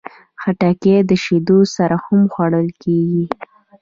خټکی د شیدو سره هم خوړل کېږي.